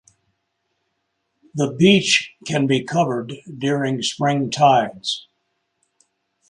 The beach can be covered during spring tides.